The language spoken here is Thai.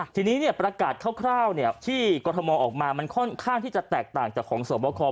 ทีนี้ประกาศคร่าวที่กรทมออกมามันค่อนข้างที่จะแตกต่างจากของสวบคอ